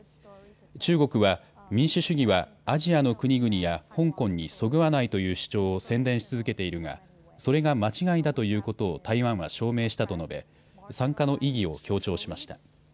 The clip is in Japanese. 中国は民主主義はアジアの国々や香港にそぐわないという主張を宣伝し続けているがそれが間違いだということを台湾は証明したと述べ、参加の意義を強調しました。